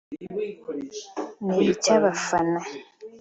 ni icy’abafana